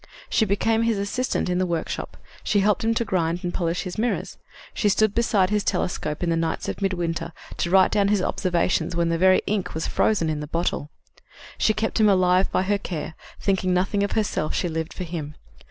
She became his assistant in the workshop; she helped him to grind and polish his mirrors; she stood beside his telescope in the nights of midwinter, to write down his observations when the very ink was frozen in the bottle. She kept him alive by her care; thinking nothing of herself, she lived for him.